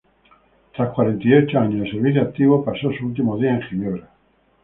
Tras cuarenta y ocho años de servicio activo, pasó sus últimos días en Ginebra.